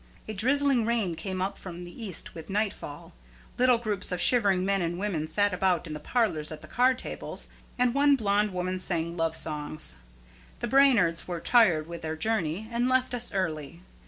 A drizzling rain came up from the east with nightfall. Little groups of shivering men and women sat about in the parlors at the card tables, and one blond woman sang love songs. The Brainards were tired with their journey, and left us early.